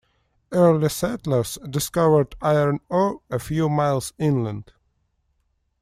Early settlers discovered iron ore a few miles inland.